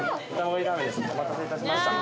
お待たせいたしました